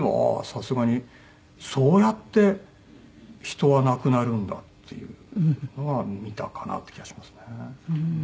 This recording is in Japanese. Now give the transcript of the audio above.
さすがにそうやって人は亡くなるんだっていうのは見たかなっていう気がしますね。